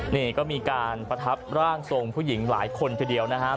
นี่ก็มีการประทับร่างทรงผู้หญิงหลายคนทีเดียวนะครับ